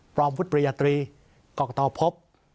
พร้อมผู้ปริญญาตรีกอกตอพบ